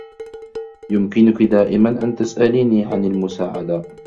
يمكنكِ دائماً أن تسأليني عن المساعدة.